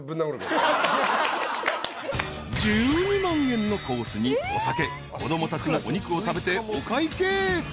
［１２万円のコースにお酒子供たちもお肉を食べてお会計］